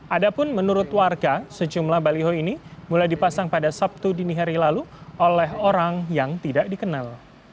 ada pun menurut warga sejumlah baliho ini mulai dipasang pada sabtu dini hari lalu oleh orang yang tidak dikenal